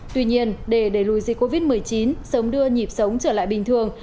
tuy nhiên để đẩy lùi dịch covid một mươi chín sớm đưa nhịp sống trở lại bình thường